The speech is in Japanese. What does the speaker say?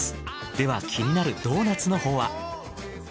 では気になるドーナツのほうは。